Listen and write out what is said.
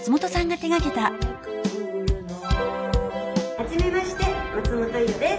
初めまして松本伊代です。